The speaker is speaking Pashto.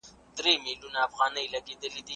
ټولنپوهنه یوازې تیوري نه ده بلکې عمل هم دی.